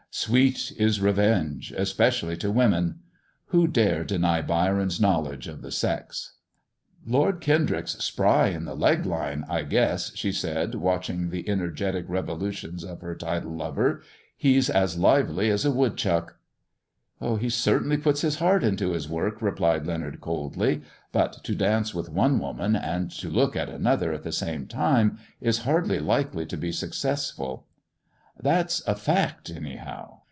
" Sweet is revenge, especially to women." Who dare deny Byron's knowledge of the sex) "Lord Kendrick's spry in the leg line, I guess," she said, watching the energetic revolutions of her titled lover. " He's as lively as a woodchuok." 178 MISS JONATHAN "He certainly puts his heart into his work," replied Leonard, coldly, " but to dance with one woman and to look at another at the same time is hardly likely to be successful." " That's a fact, anyhow.